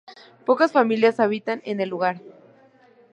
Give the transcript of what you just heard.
Pocas familias habitan en el lugar.